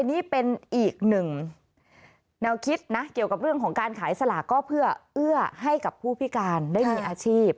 นี่เป็นอีกหนึ่งแนวคิดนะเกี่ยวกับเรื่องของการขายสลากก็เพื่อเอื้อให้กับผู้พิการได้มีอาชีพ